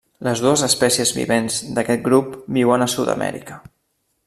Les dues espècies vivents d'aquest grup viuen a Sud-amèrica.